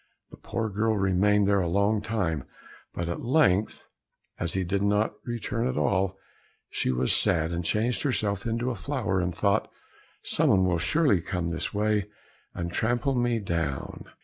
The poor girl remained there a long time, but at length, as he did not return at all, she was sad, and changed herself into a flower, and thought, "Some one will surely come this way, and trample me down."